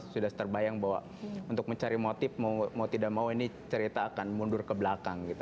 sudah terbayang bahwa untuk mencari motif mau tidak mau ini cerita akan mundur ke belakang gitu